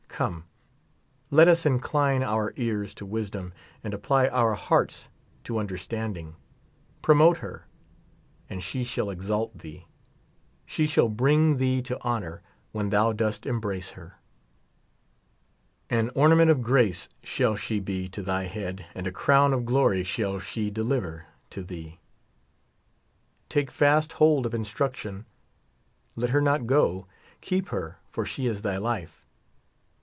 Come, let us incline our ears to wisdom, and apply our hearts to understanding ; promote her, and she shall exalt thee ; she shall bring thee to honor when thou dost embrace her. An ornament of grace shall she be to thy 81 head, and a crown of glory shall she deliver to thee. Take fast hold of instruction ; let her not go ; keep her, for she is thy life.